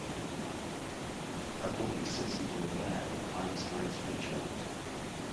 A boy sits under a bear with Einstein 's picture on it.